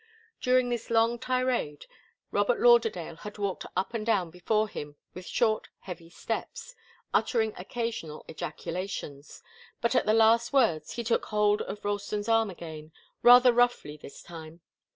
During this long tirade Robert Lauderdale had walked up and down before him with short, heavy steps, uttering occasional ejaculations, but at the last words he took hold of Ralston's arm again rather roughly this time.